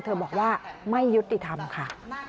บอกว่าไม่ยุติธรรมค่ะ